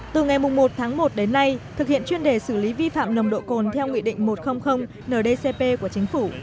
từ ngày một tháng một đến nay thực hiện chuyên đề xử lý vi phạm nồng độ cồn theo nghị định một trăm linh ndcp của chính phủ